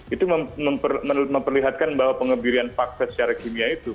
itu memperlihatkan bahwa pengebirian paksa secara kimia itu